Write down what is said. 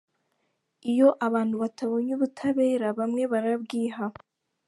Iyo abantu batabonye ubutabera, bamwe barabwiha .